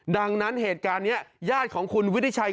ดังนั้นเหตุการณ์นี้ญาติของคุณวิริชัย